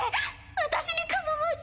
私に構わず。